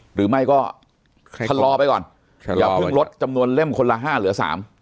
หรือไม่ก็ชะลอไปก่อนอย่าเพิ่งลดจำนวนเล่มคนละห้าเหลือสาม